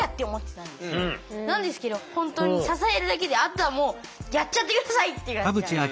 なんですけど本当に支えるだけであとはもうやっちゃって下さいって感じなんです。